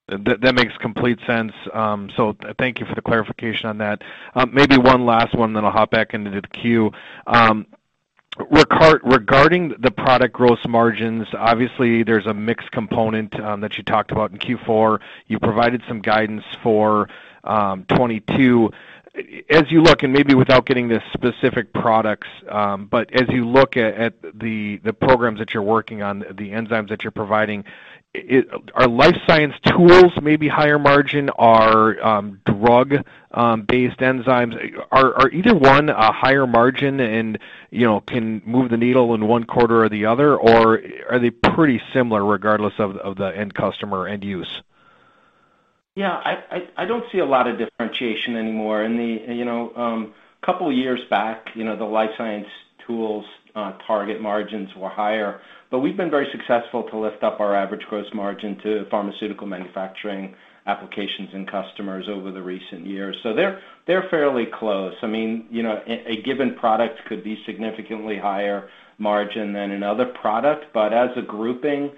That makes complete sense. Thank you for the clarification on that. Maybe one last one then I'll hop back into the queue. Regarding the product gross margins, obviously, there's a mixed component that you talked about in Q4. You provided some guidance for 2022. As you look, and maybe without getting the specific products, but as you look at the programs that you're working on, the enzymes that you're providing, are life science tools maybe higher margin? Are drug based enzymes. Are either one a higher margin and, you know, can move the needle in one quarter or the other, or are they pretty similar regardless of the end customer, end use? Yeah. I don't see a lot of differentiation anymore. In the couple years back, you know, the life science tools target margins were higher, but we've been very successful to lift up our average gross margin to pharmaceutical manufacturing applications and customers over the recent years. So they're fairly close. I mean, you know, a given product could be significantly higher margin than another product. But as a grouping,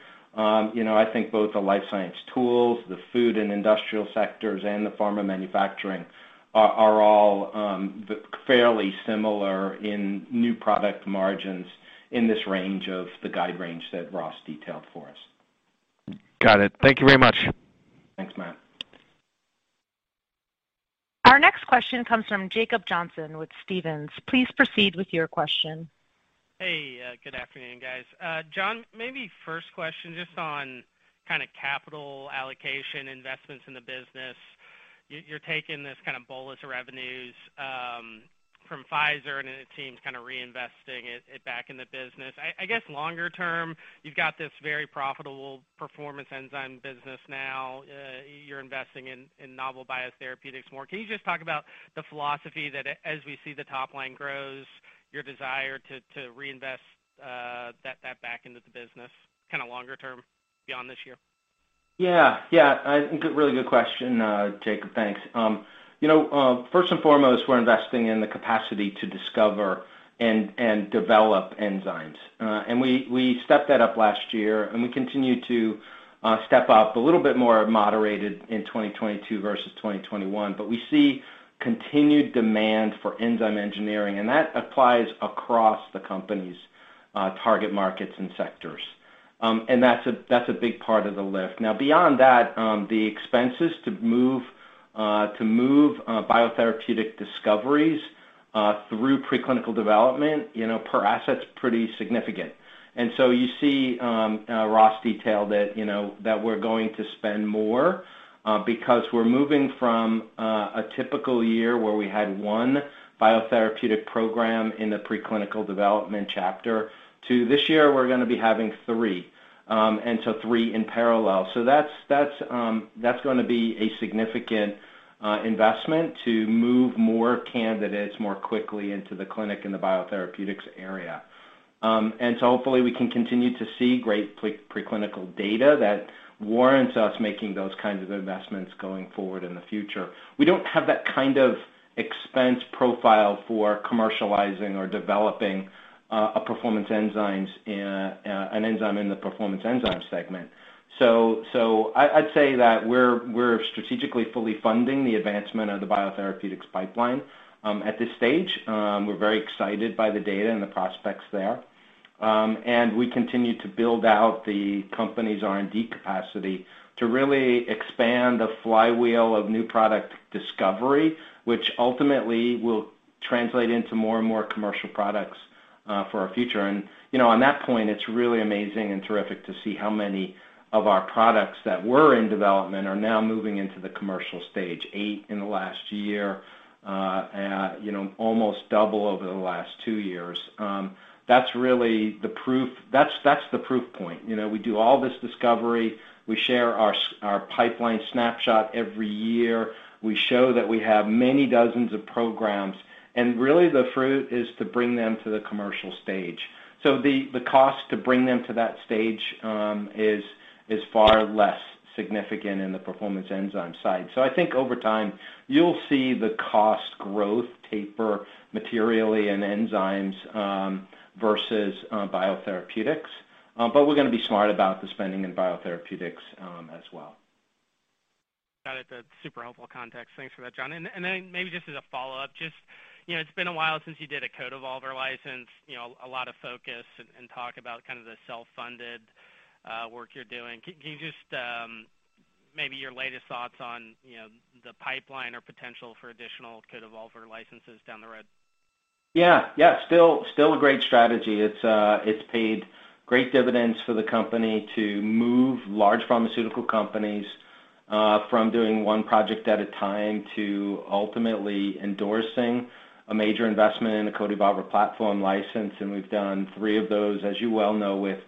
you know, I think both the life science tools, the food and industrial sectors, and the pharma manufacturing are all fairly similar in new product margins in this range of the guide range that Ross detailed for us. Got it. Thank you very much. Thanks, Matt. Our next question comes from Jacob Johnson with Stephens. Please proceed with your question. Hey, good afternoon, guys. John, maybe first question just on kinda capital allocation investments in the business. You're taking this kinda bolus of revenues from Pfizer, and it seems kinda reinvesting it back in the business. I guess longer term, you've got this very profitable performance enzyme business now. You're investing in novel biotherapeutics more. Can you just talk about the philosophy that as we see the top line grows, your desire to reinvest that back into the business kinda longer term beyond this year? Yeah. A really good question, Jacob. Thanks. You know, first and foremost, we're investing in the capacity to discover and develop enzymes. We stepped that up last year, and we continue to step up a little bit more moderated in 2022 versus 2021. We see continued demand for enzyme engineering, and that applies across the company's target markets and sectors. That's a big part of the lift. Now, beyond that, the expenses to move biotherapeutic discoveries through preclinical development, you know, per asset's pretty significant. You see, Ross detailed that, you know, that we're going to spend more, because we're moving from a typical year where we had one biotherapeutic program in the preclinical development stage to this year, we're gonna be having three, and so three in parallel. That's gonna be a significant investment to move more candidates more quickly into the clinic in the biotherapeutics area. Hopefully we can continue to see great preclinical data that warrants us making those kinds of investments going forward in the future. We don't have that kind of expense profile for commercializing or developing an enzyme in the performance enzyme segment. I'd say that we're strategically fully funding the advancement of the biotherapeutics pipeline at this stage. We're very excited by the data and the prospects there. We continue to build out the company's R&D capacity to really expand the flywheel of new product discovery, which ultimately will translate into more and more commercial products for our future. You know, on that point, it's really amazing and terrific to see how many of our products that were in development are now moving into the commercial stage eight in the last year, and you know, almost double over the last two years. That's really the proof point. You know, we do all this discovery, we share our pipeline snapshot every year. We show that we have many dozens of programs, and really the fruit is to bring them to the commercial stage. The cost to bring them to that stage is far less significant in the performance enzyme side. I think over time, you'll see the cost growth taper materially in enzymes versus biotherapeutics. We're gonna be smart about the spending in biotherapeutics as well. Got it. That's super helpful context. Thanks for that, John. Then maybe just as a follow-up, you know, it's been a while since you did a CodeEvolver® license, you know, a lot of focus and talk about kind of the self-funded work you're doing. Can you just maybe your latest thoughts on, you know, the pipeline or potential for additional CodeEvolver® licenses down the road? Yeah. Still a great strategy. It's paid great dividends for the company to move large pharmaceutical companies from doing one project at a time to ultimately endorsing a major investment in a CodeEvolver® platform license, and we've done three of those, as you well know, with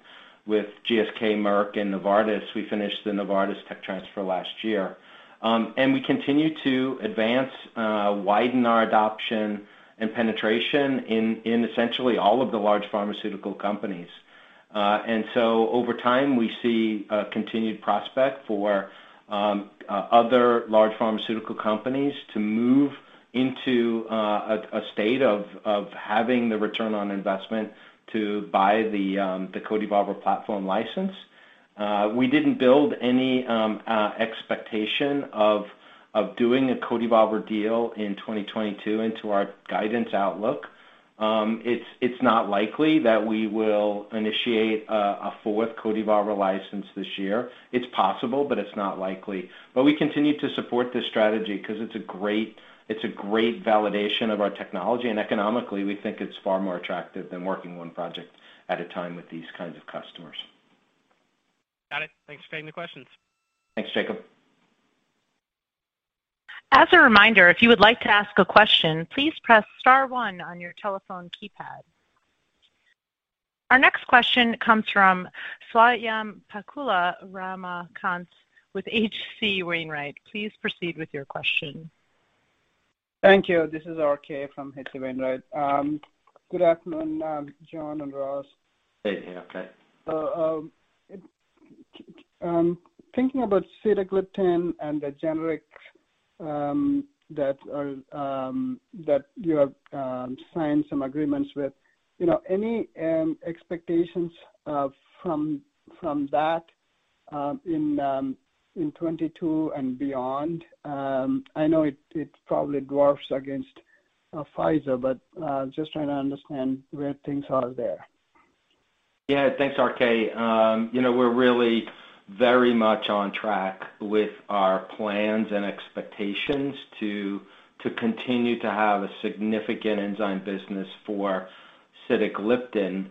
GSK, Merck, and Novartis. We finished the Novartis tech transfer last year. We continue to advance widen our adoption and penetration in essentially all of the large pharmaceutical companies. Over time, we see a continued prospect for other large pharmaceutical companies to move into a state of having the return on investment to buy the CodeEvolver® platform license. We didn't build any expectation of doing a CodeEvolver® deal in 2022 into our guidance outlook. It's not likely that we will initiate a fourth CodeEvolver® license this year. It's possible, but it's not likely. We continue to support this strategy 'cause it's a great validation of our technology, and economically, we think it's far more attractive than working one project at a time with these kinds of customers. Got it. Thanks for taking the questions. Thanks, Jacob. As a reminder, if you would like to ask a question, please press star one on your telephone keypad. Our next question comes from Swayampakula Ramakanth with H.C. Wainwright. Please proceed with your question. Thank you. This is RK from H.C. Wainwright. Good afternoon, John and Ross. Hey, RK. Thinking about sitagliptin and the generic that you have signed some agreements with. You know, any expectations from that in 2022 and beyond? I know it probably dwarfs against Pfizer, but just trying to understand where things are there. Yeah. Thanks, RK. You know, we're really very much on track with our plans and expectations to continue to have a significant enzyme business for sitagliptin,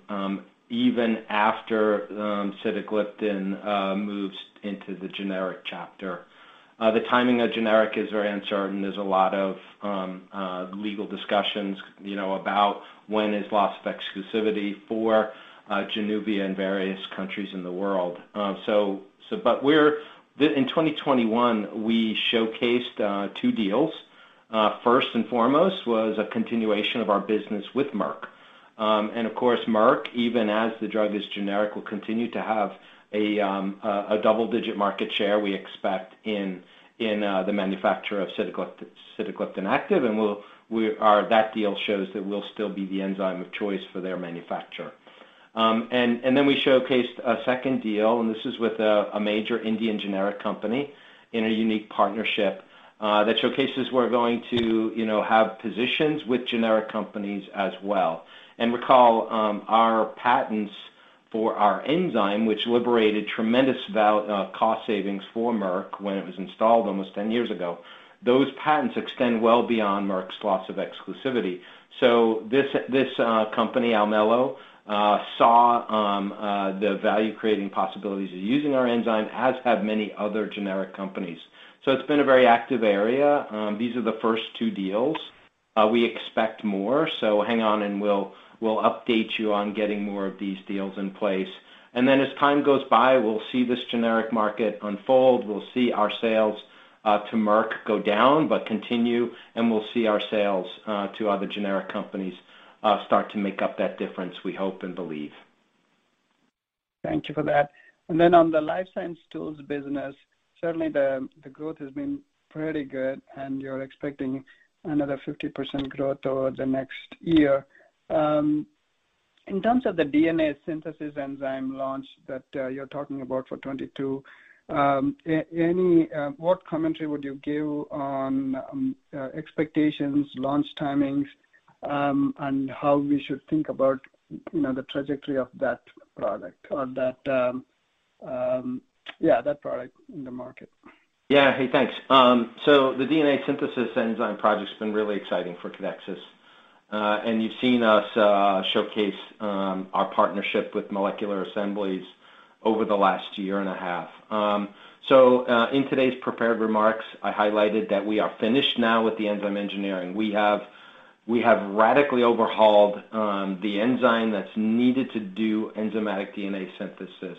even after sitagliptin moves into the generic chapter. The timing of generic is very uncertain. There's a lot of legal discussions, you know, about when is loss of exclusivity for Januvia in various countries in the world. In 2021, we showcased two deals. First and foremost was a continuation of our business with Merck. Of course, Merck, even as the drug is generic, will continue to have a double-digit market share, we expect, in the manufacture of sitagliptin active, and that deal shows that we'll still be the enzyme of choice for their manufacture. Then we showcased a second deal, and this is with a major Indian generic company in a unique partnership that showcases we're going to, you know, have positions with generic companies as well. Recall our patents for our enzyme, which liberated tremendous cost savings for Merck when it was installed almost 10 years ago. Those patents extend well beyond Merck's loss of exclusivity. This company, Almelo, saw the value-creating possibilities of using our enzyme, as have many other generic companies. It's been a very active area. These are the first two deals. We expect more, so hang on and we'll update you on getting more of these deals in place. Then as time goes by, we'll see this generic market unfold. We'll see our sales to Merck go down but continue, and we'll see our sales to other generic companies start to make up that difference, we hope and believe. Thank you for that. Then on the life science tools business, certainly the growth has been pretty good, and you're expecting another 50% growth over the next year. In terms of the DNA synthesis enzyme launch that you're talking about for 2022, what commentary would you give on expectations, launch timings, and how we should think about, you know, the trajectory of that product in the market? Yeah. Hey, thanks. The DNA synthesis enzyme project's been really exciting for Codexis. You've seen us showcase our partnership with Molecular Assemblies over the last 1.5 years. In today's prepared remarks, I highlighted that we are finished now with the enzyme engineering. We have radically overhauled the enzyme that's needed to do enzymatic DNA synthesis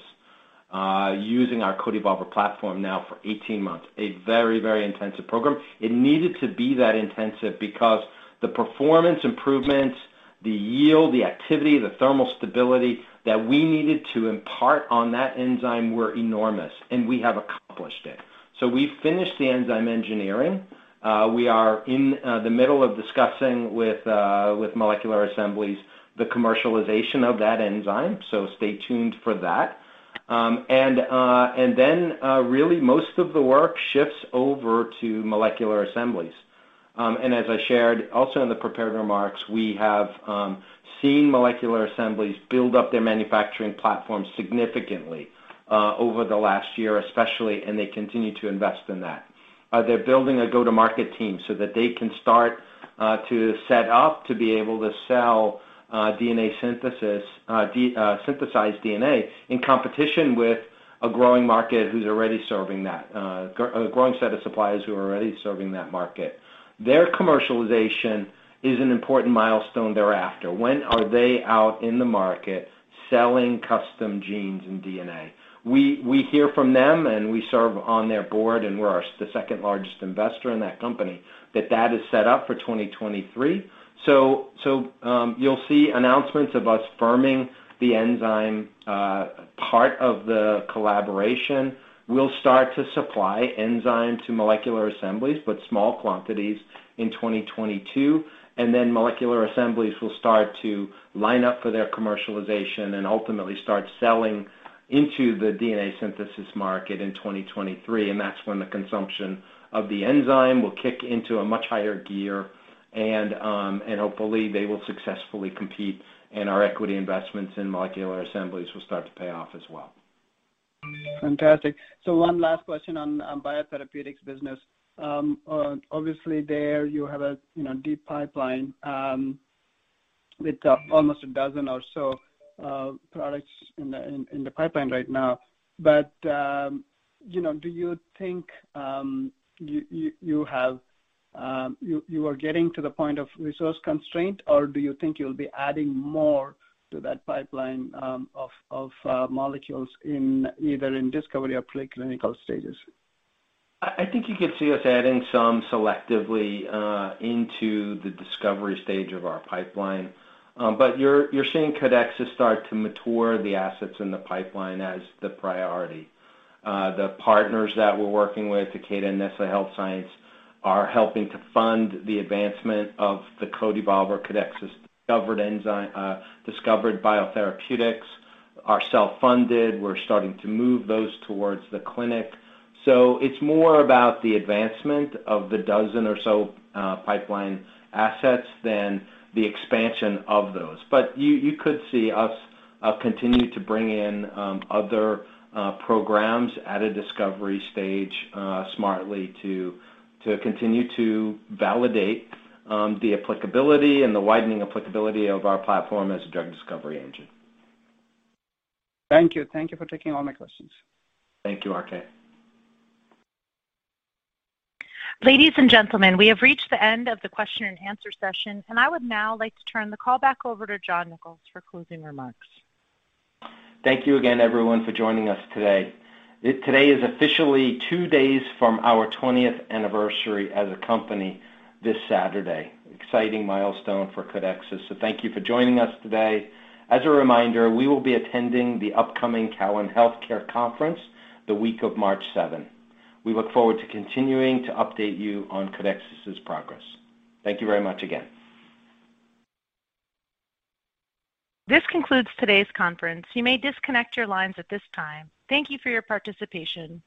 using our CodeEvolver® platform now for 18 months. A very, very intensive program. It needed to be that intensive because the performance improvements, the yield, the activity, the thermal stability that we needed to impart on that enzyme were enormous, and we have accomplished it. We've finished the enzyme engineering. We are in the middle of discussing with Molecular Assemblies the commercialization of that enzyme, so stay tuned for that. Really most of the work shifts over to Molecular Assemblies. As I shared also in the prepared remarks, we have seen Molecular Assemblies build up their manufacturing platform significantly over the last year especially, and they continue to invest in that. They're building a go-to-market team so that they can start to set up to be able to sell DNA synthesis in competition with a growing market who's already serving that, a growing set of suppliers who are already serving that market. Their commercialization is an important milestone thereafter. When are they out in the market selling custom genes and DNA? We hear from them, and we serve on their board, and we're the second largest investor in that company, that is set up for 2023. You'll see announcements of us forming the enzyme part of the collaboration. We'll start to supply enzyme to Molecular Assemblies, but small quantities in 2022, and then Molecular Assemblies will start to line up for their commercialization and ultimately start selling into the DNA synthesis market in 2023, and that's when the consumption of the enzyme will kick into a much higher gear and hopefully they will successfully compete and our equity investments in Molecular Assemblies will start to pay off as well. Fantastic. One last question on biotherapeutics business. Obviously there you have a, you know, deep pipeline with almost a dozen or so products in the pipeline right now. You know, do you think you have, you are getting to the point of resource constraint? Or do you think you'll be adding more to that pipeline of molecules in either discovery or preclinical stages? I think you could see us adding some selectively into the discovery stage of our pipeline. You're seeing Codexis start to mature the assets in the pipeline as the priority. The partners that we're working with, Takeda and Nestlé Health Science, are helping to fund the advancement of the CodeEvolver®. Codexis-discovered enzyme, discovered biotherapeutics are self-funded. We're starting to move those towards the clinic. It's more about the advancement of the dozen or so pipeline assets than the expansion of those. You could see us continue to bring in other programs at a discovery stage smartly to continue to validate the applicability and the widening applicability of our platform as a drug discovery engine. Thank you. Thank you for taking all my questions. Thank you, RK. Ladies and gentlemen, we have reached the end of the question and answer session, and I would now like to turn the call back over to John Nicols for closing remarks. Thank you again, everyone, for joining us today. Today is officially two days from our 20th anniversary as a company this Saturday. Exciting milestone for Codexis, so thank you for joining us today. As a reminder, we will be attending the upcoming Cowen Health Care Conference the week of March 7th. We look forward to continuing to update you on Codexis' progress. Thank you very much again. This concludes today's conference. You may disconnect your lines at this time. Thank you for your participation.